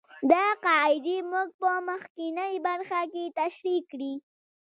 دا قاعدې موږ په مخکینۍ برخه کې تشرېح کړې.